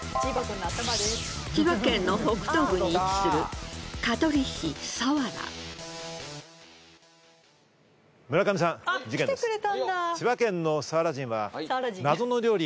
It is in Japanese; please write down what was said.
千葉県の北東部に位置するちなみに。